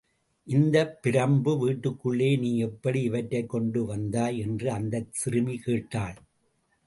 இந்தப் பிரம்பு வீட்டுக்குள்ளே நீ எப்படி இவற்றைக் கொண்டு வந்தாய்! என்று அந்தச் சிறுமி கேட்டாள்.